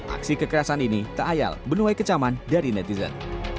aksi kekerasan ini tak ayal benua kecaman dari netizen